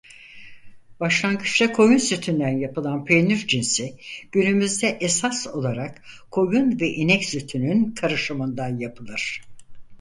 Başlangıçta koyun sütünden yapılan peynir cinsi günümüzde esas olarak koyun ve inek sütünün karışımından yapılır.